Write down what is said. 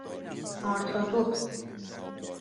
اَرتادخت